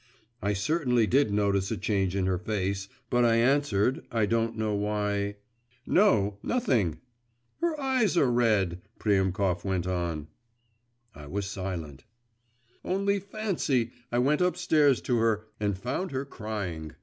I certainly did notice a change in her face, but I answered, I don't know why 'No, nothing.' 'Her eyes are red,' Priemkov went on. I was silent. 'Only fancy! I went upstairs to her and found her crying.